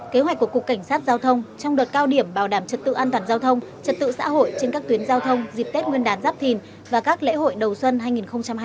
kế hoạch của cục cảnh sát giao thông trong đợt cao điểm bảo đảm trật tự an toàn giao thông trật tự xã hội trên các tuyến giao thông dịp tết nguyên đán giáp thìn và các lễ hội đầu xuân hai nghìn hai mươi bốn